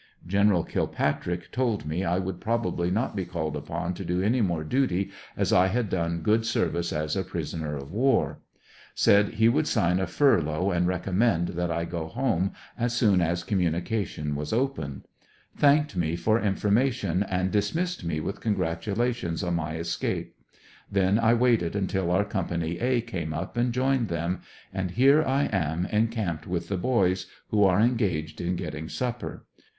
General Kilpatrick told me I would probably not be called upon to do any more duty as I had done good service as a prisoner of war. THE STARS AND STRIPES. 159 Said he would sign a furlough and recommend that I go home as soon as communication was opened. Thanked me for information and dismissed me with congratulations on my escape. Then I waited until our company, *'A," came up and joined them, and here I am encamped with the boys, who are engaged in getting supper.